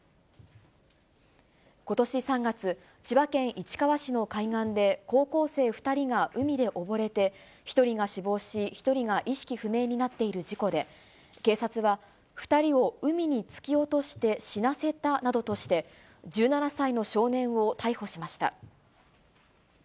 ことし３月、千葉県市川市の海岸で、高校生２人が海で溺れて、１人が死亡し、１人が意識不明になっている事故で、警察は、２人を海に突き落として死なせたなどとして、１７歳の少年を逮捕しました。